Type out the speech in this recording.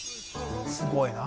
すごいな。